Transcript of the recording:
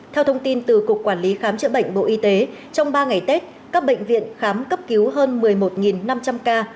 theo thông tin từ cục quản lý khám chữa bệnh bộ y tế trong ba ngày tết các bệnh viện khám cấp cứu hơn một mươi một năm trăm linh ca